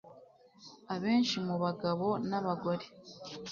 Abenshi mu bagabo nabagore